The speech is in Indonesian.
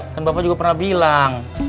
kan bapak juga pernah bilang